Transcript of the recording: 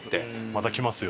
また来ますよ。